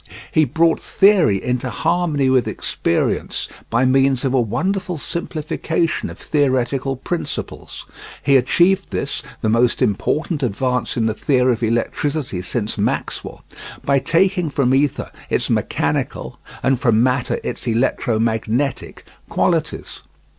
He brought theory into harmony with experience by means of a wonderful simplification of theoretical principles. He achieved this, the most important advance in the theory of electricity since Maxwell, by taking from ether its mechanical, and from matter its electromagnetic qualities.